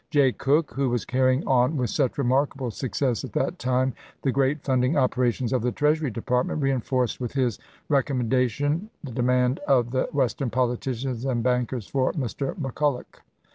Jay Cooke, who was carrying on with such remarkable success at that time the great funding operations of the Treasury Department, reenforced with his recom mendation the demand of the Western politicians and bankers for Mr. McCulloch.